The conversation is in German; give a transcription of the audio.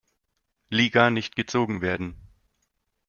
Liga nicht gezogen werden.